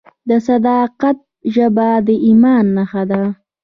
د صداقت ژبه د ایمان نښه ده.